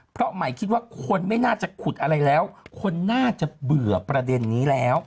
เพราะหมายคิดว่าคนไม่น่าจะขุดอะไรแล้วคนน่าจะเบื่อประเด็นนี้แล้ว